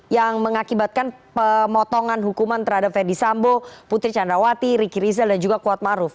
yang mengakibatkan pemotongan hukuman terhadap ferdis sambo putri candrawati riki rizal dan juga kuatmaruf